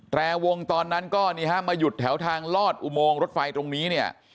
แต่วงตอนนั้นก็นี่ฮะมาหยุดแถวทางลอดอุโมงรถไฟตรงนี้เนี่ย